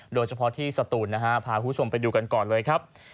โดยเฉพาะที่สตูนนะฮะพาคุณผู้ชมไปดูกันก่อนเลยครับ